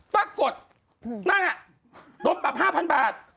ป้ากกดนั่งอ่ะรบปรับ๕๐๐๐บาท